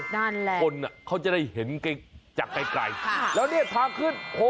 นั่นแหละคนน่ะเขาจะได้เห็นจากไกลค่ะแล้วนี่ทางขึ้น๖๓๑